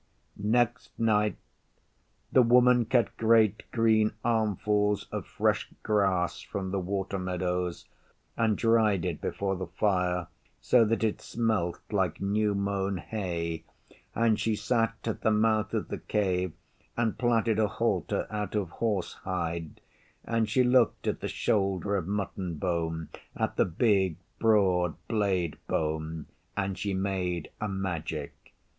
Next night the Woman cut great green armfuls of fresh grass from the water meadows, and dried it before the fire, so that it smelt like new mown hay, and she sat at the mouth of the Cave and plaited a halter out of horse hide, and she looked at the shoulder of mutton bone at the big broad blade bone and she made a Magic.